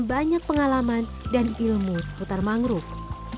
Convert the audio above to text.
banyak pengalaman dan ilmu seputar mangrove